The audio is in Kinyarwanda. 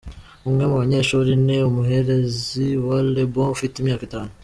Umwe mu banyeshuri ni umuhererezi wa Laibon ufite imyaka itanu.